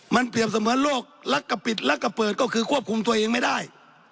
มันเปรียบเสมือนโรคลักกะปิดลักกะเปิดก็คือควบคุมตัวเองไม่ได้